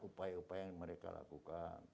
upaya upaya yang mereka lakukan